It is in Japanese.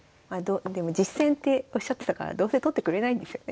でも実戦っておっしゃってたからどうせ取ってくれないんですよね。